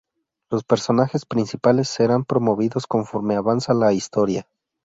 Los personajes principales serán promovidos conforme avanza la historia.